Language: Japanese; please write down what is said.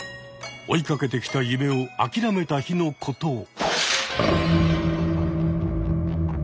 追いかけてきた夢を諦めた日のことを。